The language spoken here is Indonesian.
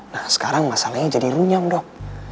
nah sekarang masalahnya jadi runyam dok